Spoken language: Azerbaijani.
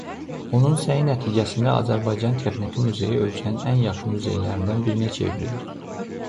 Onun səyi nəticəsində Azərbaycan tarixi muzeyi ölkənin ən yaxşı muzeylərindən birinə çevrilir.